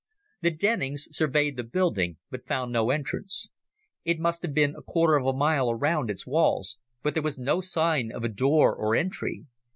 The Dennings surveyed the building, but found no entrance. It must have been a quarter of a mile around its walls, but there was no sign of a door or entry.